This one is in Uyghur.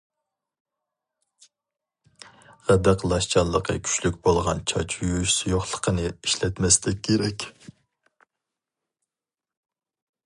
غىدىقلاشچانلىقى كۈچلۈك بولغان چاچ يۇيۇش سۇيۇقلۇقىنى ئىشلەتمەسلىك كېرەك.